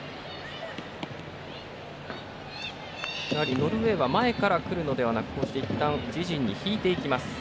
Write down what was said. ノルウェーは前から来るのではなくいったん、自陣に引いていきます。